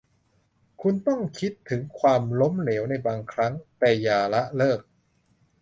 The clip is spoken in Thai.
คุณต้องคิดถึงความล้มเหลวในบางครั้ง แต่อย่าละเลิก